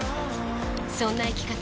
そんな生き方